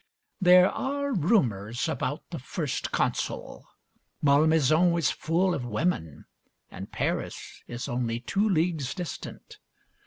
There are rumours about the First Consul. Malmaison is full of women, and Paris is only two leagues distant.